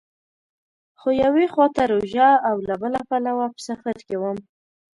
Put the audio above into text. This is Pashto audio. خو یوې خوا ته روژه او له بله پلوه په سفر کې وم.